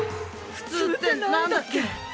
普通って何だっけ。